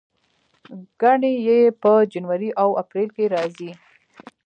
ګڼې یې په جنوري او اپریل کې راځي.